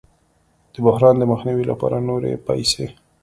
د بحران د مخنیوي لپاره نورې پیسې